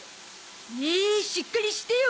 ええしっかりしてよ